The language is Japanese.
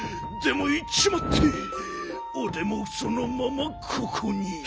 でもいっちまっておでもそのままここに。